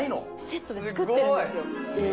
セットでつくってるんですよ